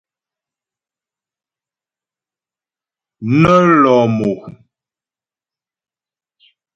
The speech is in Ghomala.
Nə́ lɔ̂ mo.